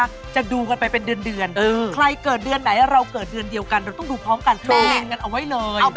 นิฉแชนได้คาถากลับไปท่องทุกวัน